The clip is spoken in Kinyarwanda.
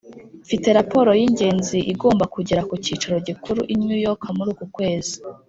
Mfite raporo y ingenzi igomba kugera ku cyicaro gikuru i New York muri uku kwezi